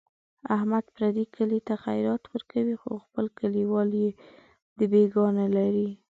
احمد پردي کلي ته خیرات ورکوي، خو خپل کلیوال یې دبیګاه نه لري.